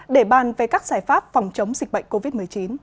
để bàn về các giải pháp phòng chống dịch bệnh covid một mươi chín